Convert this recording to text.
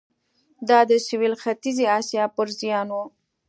دا د سوېل ختیځې اسیا پر زیان و.